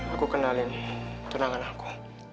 aku kenalin tunangan aku